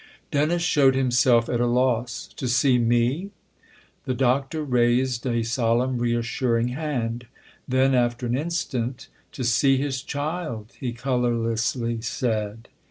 Dennis showed himself at a loss. " To see me ?" The Doctor raised a solemn, reassuring hand ; then, after an instant, " To see his child," he colour lessly said.